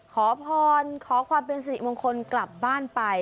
ขอพรขอความเป็นสิริมงคลกลับบ้านไป